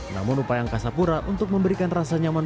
namun upaya angkasa pura untuk memberikan rasa nyaman